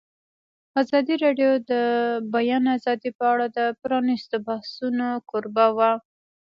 ازادي راډیو د د بیان آزادي په اړه د پرانیستو بحثونو کوربه وه.